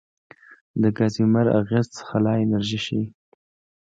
د کازیمیر اغېز خلا انرژي ښيي.